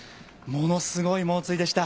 ものすごい猛追でした。